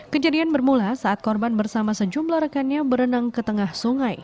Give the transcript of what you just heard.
kejadian bermula saat korban bersama sejumlah rekannya berenang ke tengah sungai